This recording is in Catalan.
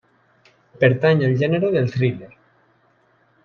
Pertany al gènere del thriller.